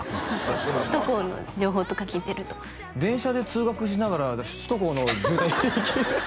首都高の情報とか聞いてると電車で通学しながら首都高の渋滞